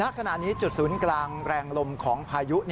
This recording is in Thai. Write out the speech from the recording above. ขณะนี้จุดศูนย์กลางแรงลมของพายุ